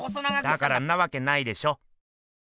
だからんなわけないでしょ。